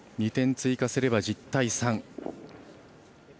２点追加すれば１０対３。